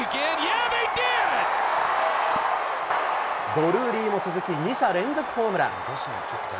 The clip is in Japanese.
ドルーリーも続き、２者連続ホームラン。